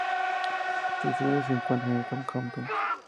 Su sede se encuentra en Southampton.